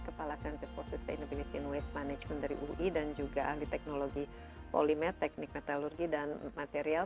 kepala sensitive process and inhibition waste management dari ui dan juga ahli teknologi polimet teknik metalurgi dan material